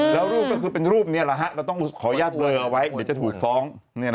แล้วรูปก็คือเป็นรูปนี้เราต้องขออนุญาตเบลอเอาไว้เดี๋ยวจะถูกฟ้อง